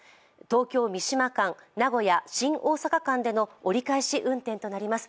東京−三島間、名古屋−新大阪間の折り返し運転となります。